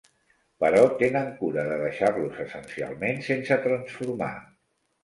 Però tenen cura de deixar-los essencialment sense transformar.